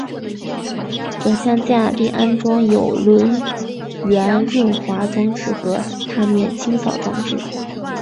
转向架并安装有轮缘润滑装置和踏面清扫装置。